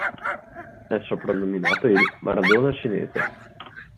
È soprannominato il "Maradona Cinese".